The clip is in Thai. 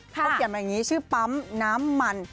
เขาเขียนมาอย่างนี้ชื่อปั๊มน้ำมัน